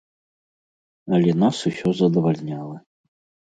Але нас усё задавальняла.